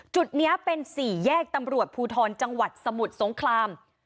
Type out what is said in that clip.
จุดนี้เป็น๔แยกตำรวจภูทรจังหวัดสมุทรสงคราม